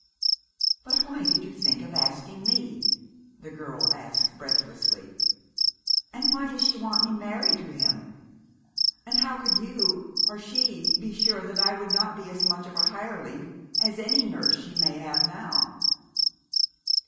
"But why did you think of asking me?" the girl asked breathlessly. "And why does she want me married to him? And how could you or she be sure that I would not be as much of a hireling as any nurse she may have now?"